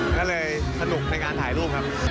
ก็เลยสนุกในการถ่ายรูปครับ